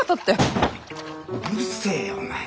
うるせえよお前。